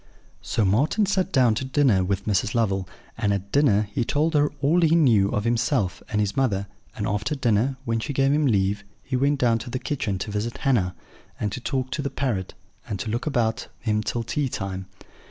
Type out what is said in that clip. "So Marten sat down to dinner with Mrs. Lovel; and at dinner he told her all he knew of himself and his mother; and after dinner, when she gave him leave, he went down to the kitchen to visit Hannah, and to talk to the parrot, and to look about him till tea time.